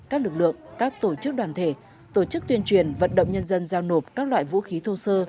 các lực lượng các tổ chức đoàn thể tổ chức tuyên truyền vận động nhân dân giao nộp các loại vũ khí thô sơ